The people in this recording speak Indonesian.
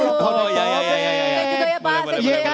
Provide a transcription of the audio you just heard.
sekali lagi ya pak ya